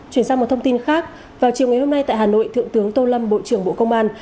chuyển sang một thông tin khác vào chiều ngày hôm nay tại hà nội thượng tướng tô lâm bộ trưởng bộ công an